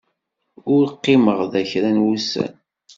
Ad qqimeɣ da kra n wussan.